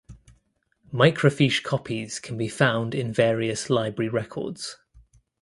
Microfiche copies can be found in various library records.